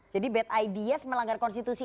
jadi bad ideas melanggar konstitusinya